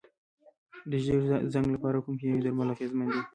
د ژیړ زنګ لپاره کوم کیمیاوي درمل اغیزمن دي؟